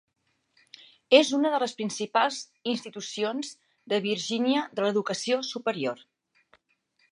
És una de les principals institucions de Virgínia de l'educació superior.